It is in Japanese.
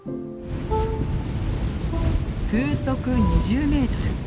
風速２０メートル。